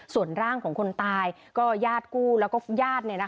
ส่วนร่างของคนตายก็ญาติกู้แล้วก็ญาติ